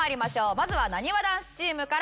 まずはなにわ男子チームから。